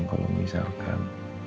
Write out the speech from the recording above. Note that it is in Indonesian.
saya bisa berpikir